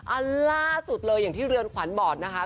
อันล่าสุดเลยอย่างที่เรือนขวัญบอกนะคะ